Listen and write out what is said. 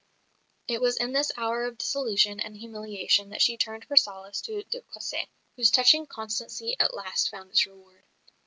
It was in this hour of disillusion and humiliation that she turned for solace to de Cossé, whose touching constancy at last found its reward.